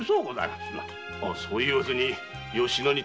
まそう言わずによしなに頼むぞ。